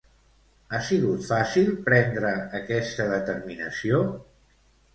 Ha sigut fàcil prendre aquesta determinació?